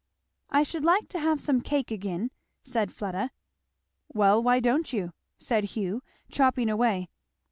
"I should like to have some cake again," said Fleda. "Well, why don't you?" said Hugh, chopping away.